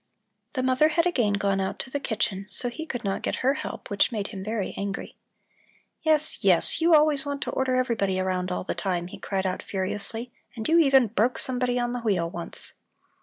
The mother had again gone out to the kitchen, so he could not get her help, which made him very angry. "Yes, yes, you always want to order everybody around all the time," he cried out furiously, "and you even broke somebody on the wheel, once."